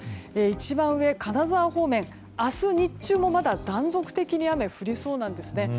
一番上、金沢方面は明日日中も、まだ断続的に雨が降りそうなんですね。